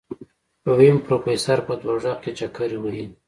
ويم پروفيسر په دوزخ کې چکرې وهي.